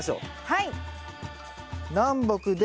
はい。